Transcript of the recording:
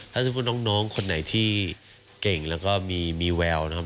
ถ้าสมมุติน้องคนไหนที่เก่งแล้วก็มีแววนะครับ